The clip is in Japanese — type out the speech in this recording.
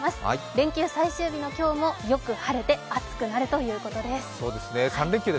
連休最終日の今日も、よく晴れて暑くなるということです。